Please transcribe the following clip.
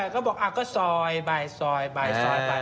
ก็บอกก็ซอยไปซอยไปซอยไป